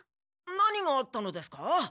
何があったのですか？